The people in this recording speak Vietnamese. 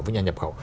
với nhà nhập khẩu